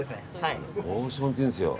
ポーションっていうんですよ